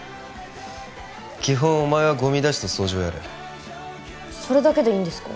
基本お前はゴミ出しと掃除をやれそれだけでいいんですか？